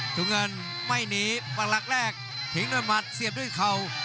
ถุงเงินไม่หนีปักหลักแรกทิ้งด้วยหมัดเสียบด้วยเข่า